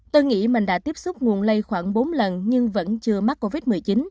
tôi nghĩ mình đã tiếp xúc nguồn lây khoảng bốn lần nhưng vẫn chưa mắc covid một mươi chín